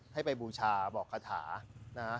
ให้ไปบูชาบอกคาถานะฮะ